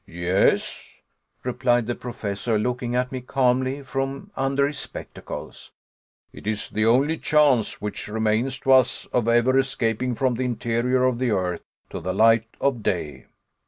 "Yes," replied the Professor, looking at me calmly from under his spectacles, "it is the only chance which remains to us of ever escaping from the interior of the earth to the light of day."